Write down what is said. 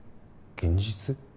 現実？